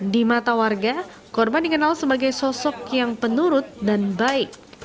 di mata warga korban dikenal sebagai sosok yang penurut dan baik